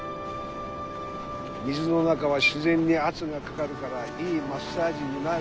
水の中は自然に圧がかかるからいいマッサージになる。